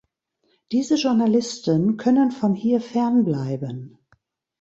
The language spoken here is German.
Diese Journalisten können von hier fernbleiben.